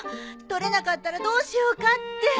取れなかったらどうしようかって。